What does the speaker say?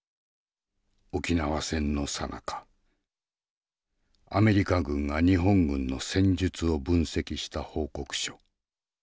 沖縄戦のさなかアメリカ軍が日本軍の戦術を分析した報告書。